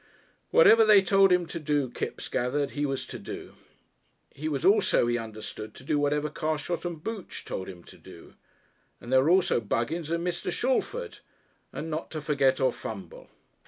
Whatever they told him to do, Kipps gathered he was to do. He was also, he understood, to do whatever Carshot and Booch told him to do. And there were also Buggins and Mr. Shalford. And not to forget or fumble!